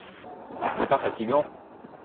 Ce n’est pas fatigant !